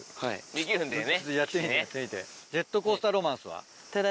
できるんだよね。